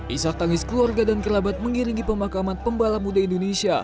isak tangis keluarga dan kerabat mengiringi pemakaman pembalap muda indonesia